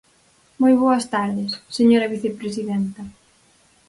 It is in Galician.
Moi boas tardes, señora vicepresidenta.